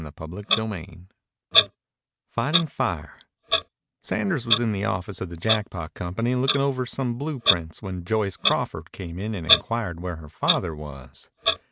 CHAPTER XXXVI FIGHTING FIRE Sanders was in the office of the Jackpot Company looking over some blue prints when Joyce Crawford came in and inquired where her father was.